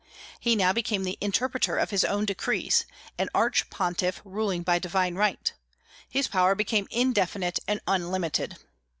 He now became the interpreter of his own decrees, an arch pontiff ruling by divine right. His power became indefinite and unlimited.